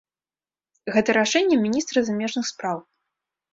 Гэта рашэнне міністра замежных спраў.